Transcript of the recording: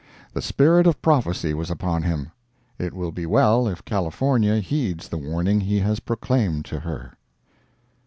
The spirit of prophecy was upon him. It will be well if California heeds the warning he has proclaimed to her.